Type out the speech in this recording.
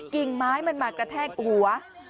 กิ่งไม้มันมากระแทกหัว